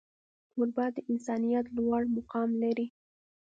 کوربه د انسانیت لوړ مقام لري.